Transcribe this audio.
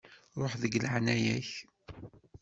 Ruḥ, deg leεnaya-k.